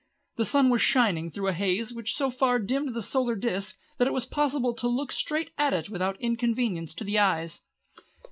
The sun was shining through a haze which so far dimmed the solar disc that it was possible to look straight at it without inconvenience to the eyes.